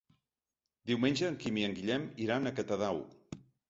Diumenge en Quim i en Guillem iran a Catadau.